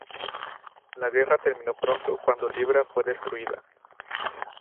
La guerra terminó pronto cuando Libra fue destruida.